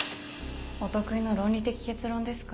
お得意の論理的結論ですか？